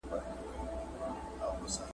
د علمي روسونو د بدلون لپاره کافي پاملرنه سته.